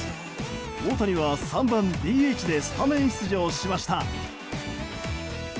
大谷は３番ＤＨでスタメン出場しました。